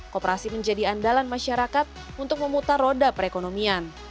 kooperasi menjadi andalan masyarakat untuk memutar roda perekonomian